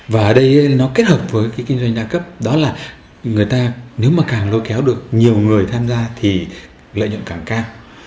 và ở đây nó kết hợp với cái kinh doanh đa cấp đó là người ta nếu mà càng lôi kéo được nhiều người tham gia thì lợi nhuận càng cao